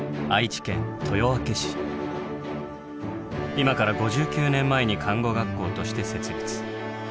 今から５９年前に看護学校として設立。